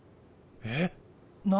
えっ何で？